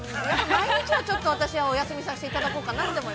毎日は、私はお休みさせていただこうかなと。